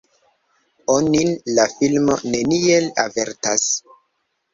Onin la filmo neniel avertas.